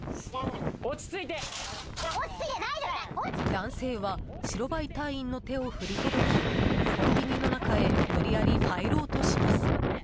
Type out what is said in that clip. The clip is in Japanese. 男性は白バイ隊員の手を振りほどきコンビニの中へ無理矢理入ろうとします。